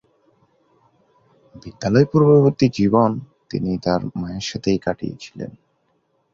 বিদ্যালয়-পূর্ববর্তী জীবন তিনি তার মায়ের সাথেই কাটিয়েছিলেন।